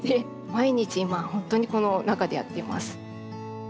毎日今本当にこの中でやっています。